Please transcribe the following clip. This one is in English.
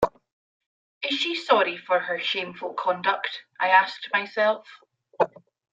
Is she sorry for her shameful conduct? — I asked myself.